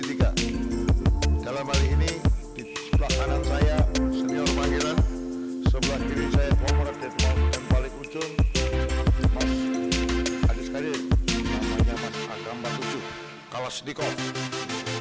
dalam hari ini di sebelah kanan saya senior panggilan sebelah kiri saya pak mdjeng dan balik ujung mas adis kadir namanya mas agra empat puluh tujuh kalas dikov